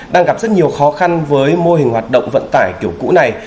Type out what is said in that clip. đang gặp rất nhiều khó khăn với mô hình hoạt động vận tải kiểu cũ này